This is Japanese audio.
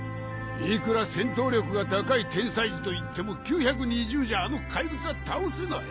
いくら戦闘力が高い天才児といっても９２０じゃあの怪物は倒せない。